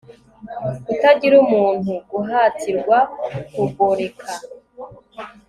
kutagira umuntu guhatirwa kugoreka